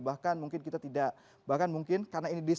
bahkan mungkin kita tidak bahkan mungkin karena ini disedia